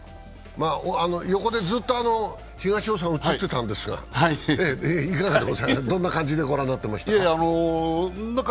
横でずっと東尾さん映っていたんですが、どんな感じで御覧になってましたか？